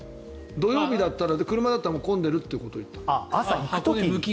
土曜日だったら車だったらもう混んでるって話を言った。